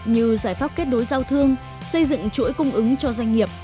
như giải pháp kết nối giao thương xây dựng chuỗi cung ứng cho doanh nghiệp